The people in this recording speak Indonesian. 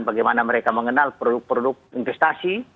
bagaimana mereka mengenal produk produk investasi